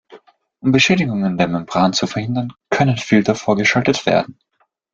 Um Beschädigungen der Membran zu verhindern, können Filter vorgeschaltet werden.